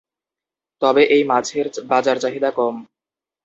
তবে এই মাছের বাজার চাহিদা কম।